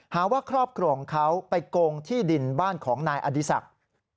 หาว่าครอบครัวของเขาไปโกงที่ดินบ้านของนายอดีศักดิ์